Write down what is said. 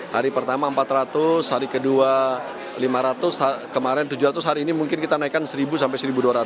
hari pertama empat ratus hari kedua lima ratus kemarin tujuh ratus hari ini mungkin kita naikkan seribu sampai seribu dua ratus